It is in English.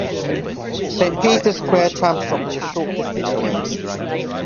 Saint Peter's Square tram stop is a short distance away.